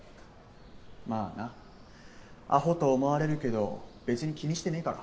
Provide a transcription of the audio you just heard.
まあなアホと思われるけど別に気にしてねえから。